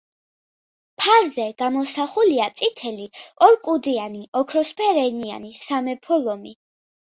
ფარზე გამოსახულია წითელი ორ კუდიანი, ოქროსფერ ენიანი სამეფო ლომი.